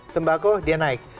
sembako dia naik